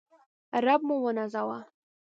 رب موونازوه